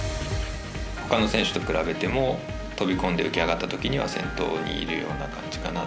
ほかの選手と比べても飛び込んで浮き上がったときには先頭にいるような感じかな。